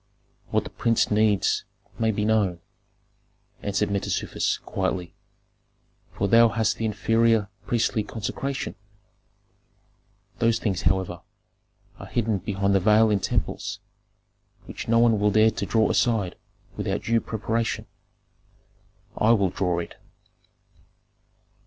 "What the prince needs may be known," answered Mentezufis, quietly, "for thou hast the inferior priestly consecration. Those things, however, are hidden behind the veil in temples, which no one will dare to draw aside without due preparation." "I will draw it."